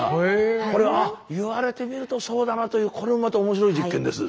これは「あっ言われてみるとそうだな」というこれもまた面白い実験です。